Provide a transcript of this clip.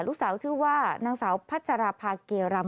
ลูกสาวชื่อว่านางสาวพัชราภาเกียรำ